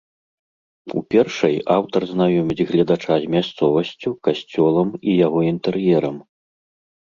У першай аўтар знаёміць гледача з мясцовасцю, касцёлам і яго інтэр'ерам.